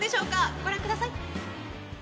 ご覧ください。